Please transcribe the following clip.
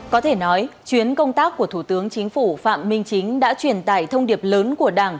có thể nói chuyến công tác của thủ tướng chính phủ phạm minh chính đã truyền tải thông điệp lớn của đảng